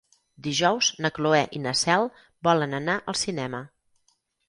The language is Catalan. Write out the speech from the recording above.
Dijous na Cloè i na Cel volen anar al cinema.